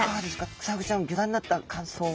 クサフグちゃんをギョ覧になった感想は。